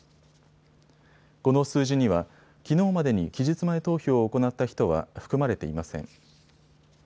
この数字にはきのうまでに期日前投票を行った人は含まれていません。